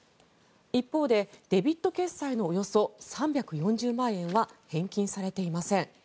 一方でデビット決済のおよそ３４０万円は返金されていません。